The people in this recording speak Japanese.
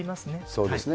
そうですね。